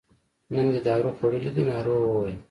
نن دې دارو خوړلي دي ناروغ وویل.